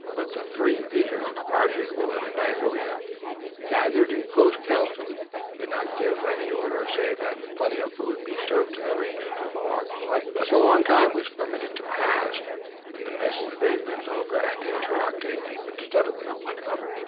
But the three leaders, Rogers, Willet and Daganoweda, gathered in a close council, did not yet give any order save that plenty of food be served to rangers and Mohawks alike. Thus a long time was permitted to pass and the mists and vapors over Andiatarocte deepened steadily.